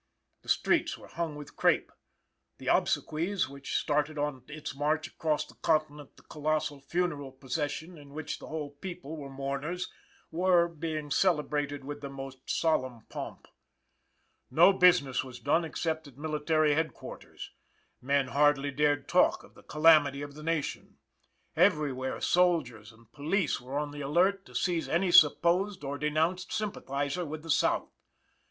The streets were hung with crape. The obsequies, which started on its march across the continent the colossal funeral procession in which the whole people were mourners, were being celebrated with the most solemn pomp. No business was done except at Military Headquarters. Men hardly dared talk of the calamity of the nation. Everywhere soldiers and police were on the alert to seize any supposed or denounced sympathizer with the South.